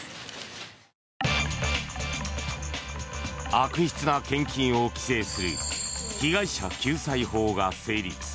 悪質な献金を規制する被害者救済法が成立。